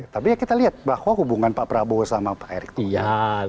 tapi ya kita lihat bahwa hubungan pak prabowo sama pak erick iya